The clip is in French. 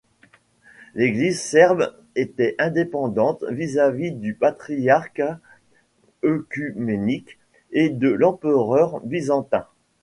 L'Église serbe était indépendante vis-à-vis du Patriarcat œcuménique et de l'Empereur Byzantin.